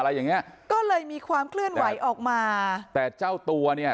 อะไรอย่างเงี้ยก็เลยมีความเคลื่อนไหวออกมาแต่เจ้าตัวเนี่ย